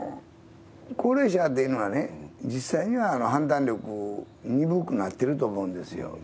高齢者っていうのはね、実際には判断力鈍くなってると思うんですよ。